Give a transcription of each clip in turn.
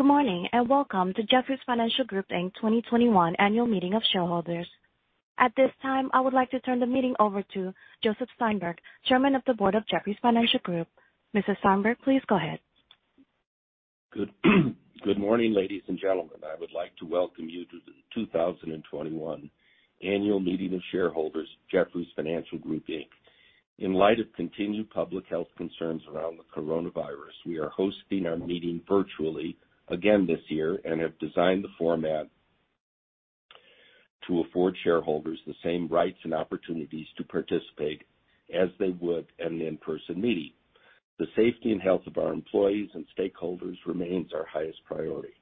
Good morning, welcome to Jefferies Financial Group Inc 2021 Annual Meeting of Shareholders. At this time, I would like to turn the meeting over to Joseph Steinberg, Chairman of the Board of Jefferies Financial Group. Mr. Steinberg, please go ahead. Good morning, ladies and gentlemen. I would like to welcome you to the 2021 Annual Meeting of Shareholders, Jefferies Financial Group Inc, in light of continued public health concerns around the coronavirus, we are hosting our meeting virtually again this year and have designed the format to afford shareholders the same rights and opportunities to participate as they would at an in-person meeting. The safety and health of our employees and stakeholders remains our highest priority.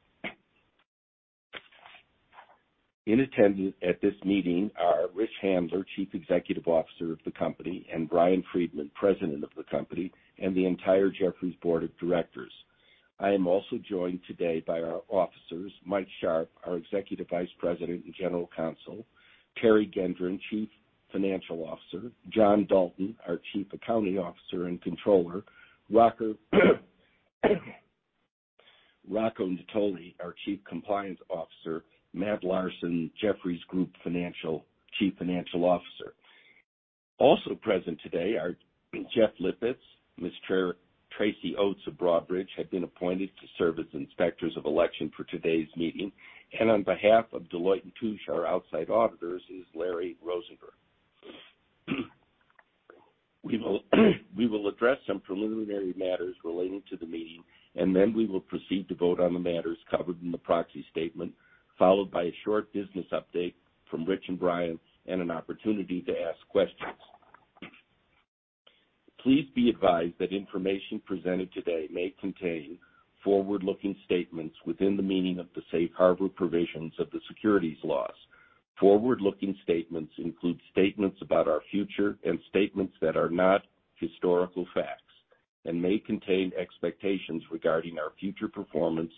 In attendance at this meeting are Rich Handler, Chief Executive Officer of the company, and Brian Friedman, President of the company, and the entire Jefferies Board of Directors. I am also joined today by our officers, Mike Sharp, our Executive Vice President and General Counsel, Teri Gendron, Chief Financial Officer, John Dalton, our Chief Accounting Officer and Controller, Rocco Natoli, our Chief Compliance Officer, Matt Larson, Jefferies Group Chief Financial Officer. Also present today are Jeff Lipitz, Ms. Tracy Oates of Broadridge have been appointed to serve as inspectors of election for today's meeting. On behalf of Deloitte & Touche, our outside auditors, is Larry Rosenberg. We will address some preliminary matters relating to the meeting and then we will proceed to vote on the matters covered in the proxy statement, followed by a short business update from Rich and Brian and an opportunity to ask questions. Please be advised that information presented today may contain forward-looking statements within the meaning of the safe harbor provisions of the securities laws. Forward-looking statements include statements about our future and statements that are not historical facts and may contain expectations regarding our future performance,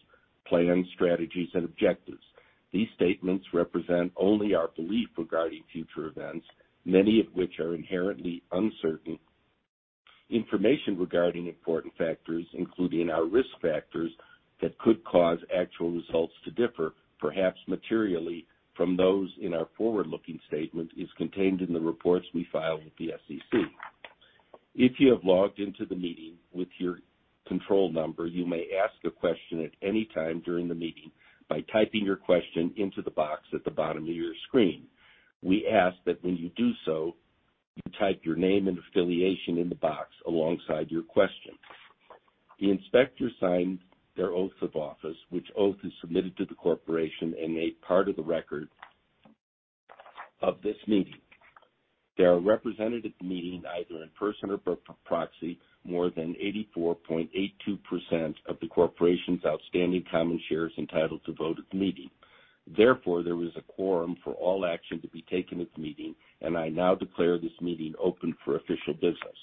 plans, strategies, and objectives. These statements represent only our belief regarding future events, many of which are inherently uncertain. Information regarding important factors, including our risk factors that could cause actual results to differ, perhaps materially from those in our forward-looking statement, is contained in the reports we file with the SEC. If you have logged into the meeting with your control number, you may ask a question at any time during the meeting by typing your question into the box at the bottom of your screen. We ask that when you do so, you type your name and affiliation in the box alongside your question. The inspector signed their oaths of office, which oath is submitted to the corporation and made part of the record of this meeting. There are represented at the meeting, either in person or by proxy, more than 84.82% of the corporation's outstanding common shares entitled to vote at the meeting. Therefore, there is a quorum for all action to be taken at the meeting, and I now declare this meeting open for official business.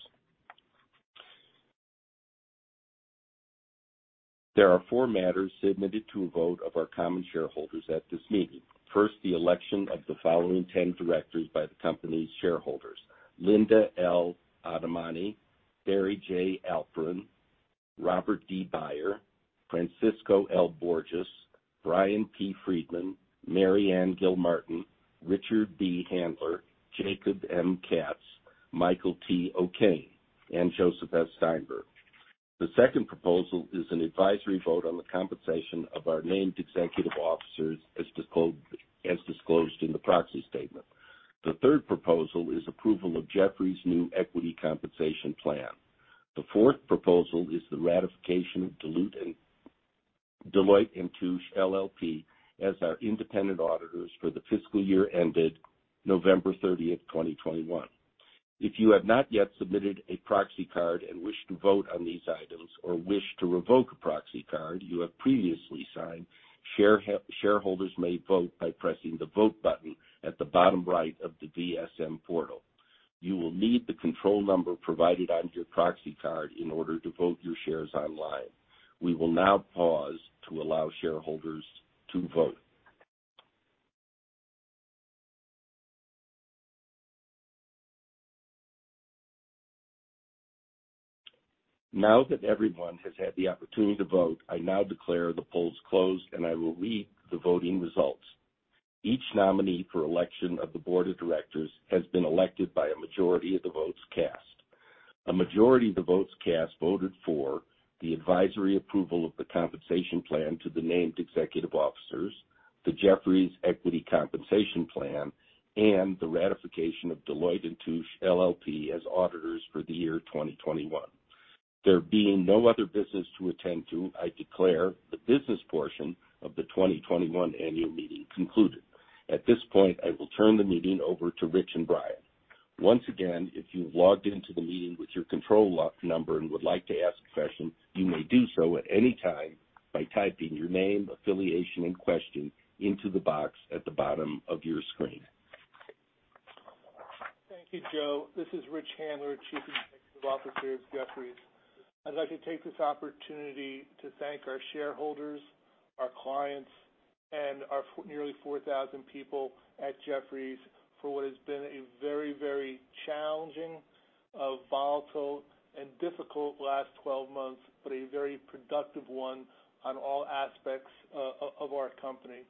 There are four matters submitted to a vote of our common shareholders at this meeting. First, the election of the following 10 directors by the company's shareholders. Linda L. Adamany, Barry J. Alperin, Robert D. Beyer, Francisco L. Borges, Brian P. Friedman, MaryAnne Gilmartin, Richard B. Handler, Jacob M. Katz, Michael T. O'Kane, and Joseph S. Steinberg. The second proposal is an advisory vote on the compensation of our named executive officers as disclosed in the proxy statement. The third proposal is approval of Jefferies' new equity compensation plan. The fourth proposal is the ratification of Deloitte & Touche LLP as our independent auditors for the fiscal year ended November 30th, 2021. If you have not yet submitted a proxy card and wish to vote on these items or wish to revoke a proxy card you have previously signed, shareholders may vote by pressing the vote button at the bottom right of the VSM portal. You will need the control number provided on your proxy card in order to vote your shares online. We will now pause to allow shareholders to vote. Now that everyone has had the opportunity to vote, I now declare the polls closed, and I will read the voting results. Each nominee for election of the board of directors has been elected by a majority of the votes cast. A majority of the votes cast voted for the advisory approval of the compensation plan to the named executive officers, the Jefferies Equity Compensation Plan, and the ratification of Deloitte & Touche LLP as auditors for the year 2021. There being no other business to attend to, I declare the business portion of the 2021 annual meeting concluded. At this point, I will turn the meeting over to Rich and Brian. Once again, if you've logged into the meeting with your control number and would like to ask a question, you may do so at any time by typing your name, affiliation, and question into the box at the bottom of your screen. Thank you, Joe. This is Rich Handler, Chief Executive Officer of Jefferies. I'd like to take this opportunity to thank our shareholders, our clients. Our nearly 4,000 people at Jefferies for what has been a very challenging, volatile, and difficult last 12 months, but a very productive one on all aspects of our company.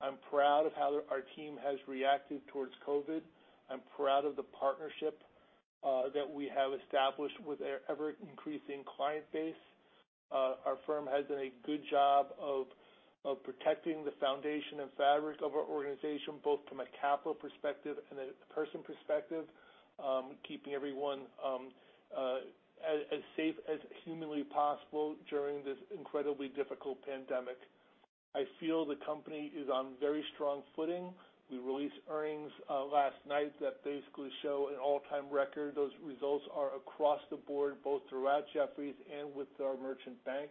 I'm proud of how our team has reacted towards COVID. I'm proud of the partnership that we have established with our ever-increasing client base. Our firm has done a good job of protecting the foundation and fabric of our organization, both from a capital perspective and a person perspective, keeping everyone as safe as humanly possible during this incredibly difficult pandemic. I feel the company is on very strong footing. We released earnings last night that basically show an all-time record. Those results are across the board, both throughout Jefferies and with our merchant bank.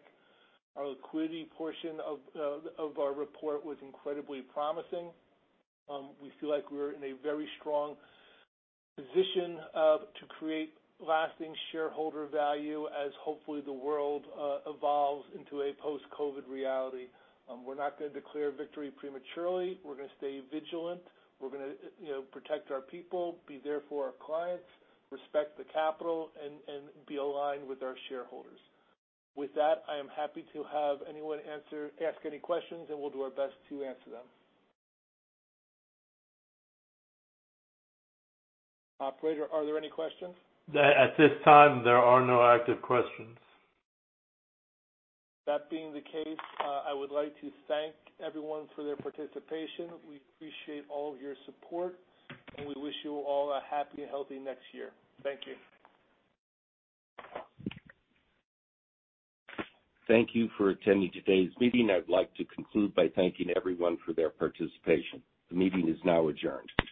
Our liquidity portion of our report was incredibly promising. We feel like we're in a very strong position to create lasting shareholder value as hopefully the world evolves into a post-COVID reality. We're not going to declare victory prematurely. We're going to stay vigilant. We're going to protect our people, be there for our clients, respect the capital, and be aligned with our shareholders. With that, I am happy to have anyone ask any questions, and we'll do our best to answer them. Operator, are there any questions? At this time, there are no active questions. That being the case, I would like to thank everyone for their participation. We appreciate all of your support, and we wish you all a happy, healthy next year. Thank you. Thank you for attending today's meeting. I'd like to conclude by thanking everyone for their participation. The meeting is now adjourned.